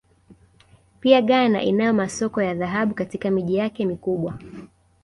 Pia Ghana inayo masoko ya dhahabu katika miji yake mikubwa